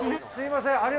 すみません。